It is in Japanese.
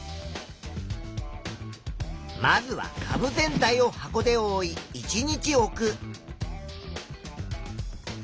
まずはかぶ全体を箱でおおい１日置く。